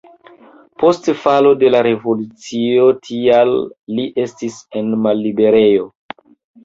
Post falo de la revolucio tial li estis en malliberejo.